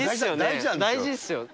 大事っすよね。